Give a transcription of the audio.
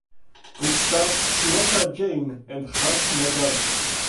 It stars Sneha Jain and Harsh Nagar.